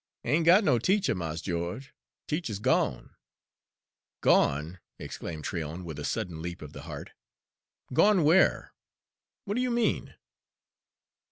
"Ain' got no teacher, Mars Geo'ge. Teacher's gone!" "Gone!" exclaimed Tryon, with a sudden leap of the heart. "Gone where? What do you mean?"